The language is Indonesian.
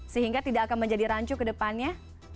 sehingga tidak akan menjadi rancu ke depannya